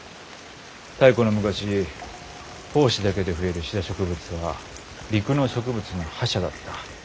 太古の昔胞子だけで増えるシダ植物は陸の植物の覇者だった。